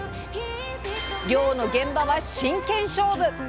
漁の現場は真剣勝負！